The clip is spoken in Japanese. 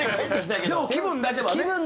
でも気分だけはね。